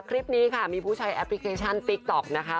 ก็ใช้แอปพลิเคชันติ๊กต๊อกนะคะ